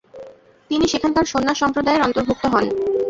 তিনি সেখানকার সন্ন্যাস সম্প্রদায়ের অন্তর্ভুক্ত হন।